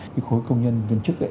cái khối công nhân viên chức